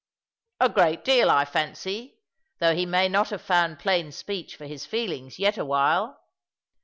" A great deal, I fancy, though he may not have found ■plain speech for his feelings yet awhile."